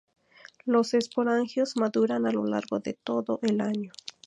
Los esporangios maduran a lo largo de todo el año.